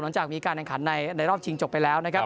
หลังจากมีการดังขันในรอบชิงจบไปแล้ว